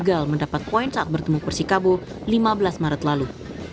gagal mendapat poin saat bertemu persikabo lima belas maret lalu